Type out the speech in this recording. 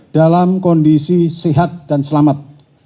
dalam kondisi sehat dan selamat